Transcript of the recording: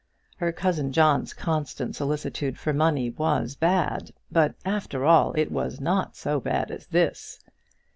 Her cousin John's constant solicitude for money was bad; but, after all, it was not so bad as this.